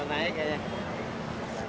tahu ya pak